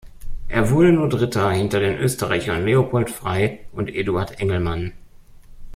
Er wurde nur Dritter hinter den Österreichern Leopold Frey und Eduard Engelmann.